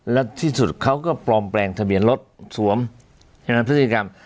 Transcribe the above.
และที่สุดเขาก็ปลอมแปลงทะเบียนรถสวมใช่ไหมพฤติกรรม